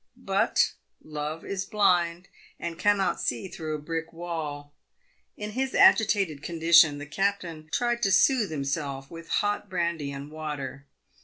But love is blind, and cannot see through a brick wall. In his agitated condition, the captain tried to soothe himself with hot brandy and water.